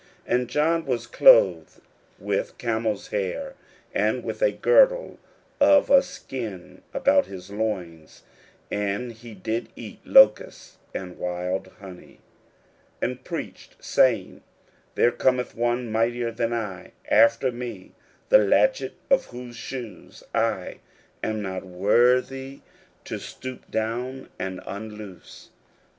41:001:006 And John was clothed with camel's hair, and with a girdle of a skin about his loins; and he did eat locusts and wild honey; 41:001:007 And preached, saying, There cometh one mightier than I after me, the latchet of whose shoes I am not worthy to stoop down and unloose.